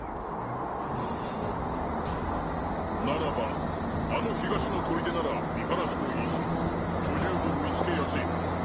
うんならばあの東の砦なら見晴らしもいいし巨獣も見つけやすいだろう。